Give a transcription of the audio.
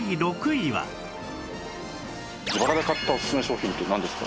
自腹で買ったおすすめ商品ってなんですか？